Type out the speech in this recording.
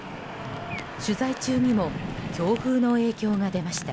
取材中にも強風の影響が出ました。